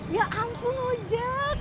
ya ampun ojek